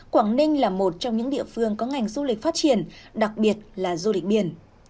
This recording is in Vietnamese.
quảng ninh là một trong những địa phương có ngành du lịch phát triển đặc biệt là du lịch biển